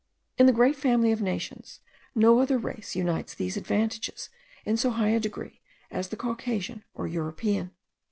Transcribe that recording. In the great family of nations, no other race unites these advantages in so high a degree as the Caucasian or European.